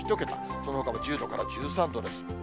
そのほかも１０度から１３度です。